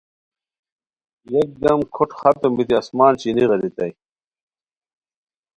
یکدم کھوٹ ختم بیتی آسمان چینی غیریتا ئے